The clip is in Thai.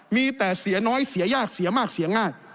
มีแต่เสียน้อยเสียยากเสียมากเสียง่าย